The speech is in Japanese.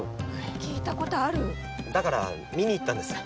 聞いたことあるだから見に行ったんです